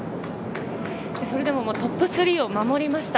それでもトップ３を守りました。